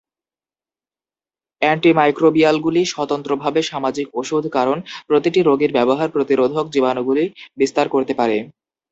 এন্টিমাইক্রোবিয়ালগুলি স্বতন্ত্রভাবে সামাজিক ওষুধ কারণ প্রতিটি রোগীর ব্যবহার প্রতিরোধক জীবাণুগুলি বিস্তার করতে পারে।